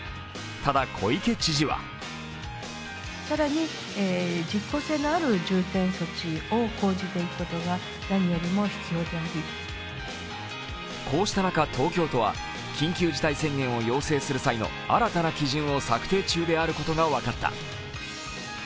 ただ小池知事はこうした中、東京都は緊急事態宣言を要請する際の新たな基準を策定中であることが分かった。